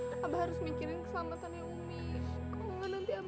abah harus mikirin keselamatan ya umi